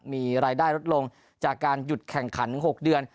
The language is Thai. มีรายได้ลดลงจากการหยุดแข่งขันถึง๖เดือน